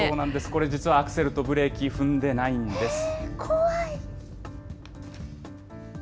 これ実は、アクセルとブレーキ、踏んでないんです。